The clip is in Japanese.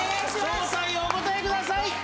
正体をお答えください